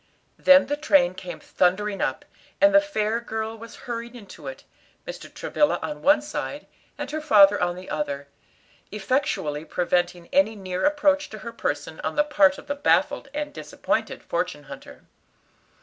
Then the train came thundering up, and the fair girl was hurried into it, Mr. Travilla, on one side, and her father on the other, effectually preventing any near approach to her person on the part of the baffled and disappointed fortune hunter.